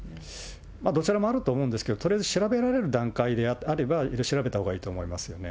どちらもあると思うんですけれども、とりあえず調べられる段階であれば調べたほうがいいと思いますよ